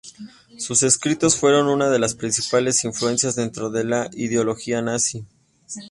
Sus escritos fueron una de las principales influencias dentro de la ideología nazi.